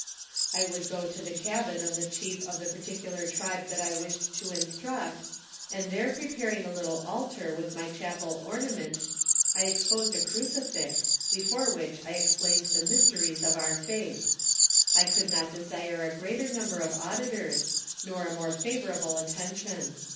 I would go to the cabin of the chief of the particular tribe that I wished to instruct, and there preparing a little altar with my chapel ornaments, I exposed a crucifix, before which I explained € e mysteries of our faith. I could not desire a greater number of auditors, nor a more favorable attention.